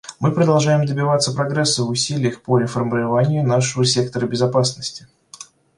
Мы продолжаем добиваться прогресса в усилиях по реформированию нашего сектора безопасности.